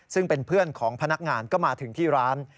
ซึ่งเป็นเพื่อนของพนักงานก็มาถึงที่ร้าน